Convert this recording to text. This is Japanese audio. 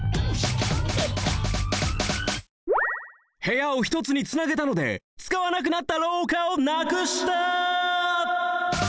部屋をひとつにつなげたのでつかわなくなったろうかをなくした！